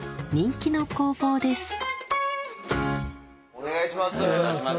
お願いします。